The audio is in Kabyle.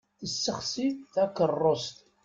Tessexsi takerrust.